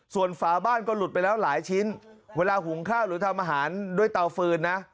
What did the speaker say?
ส่วนฝาบ้านก็หลุดไปแล้วหลายชิ้นเวลาหุงข้าวหรือทำอาหารด้วยเตาฟืนนะ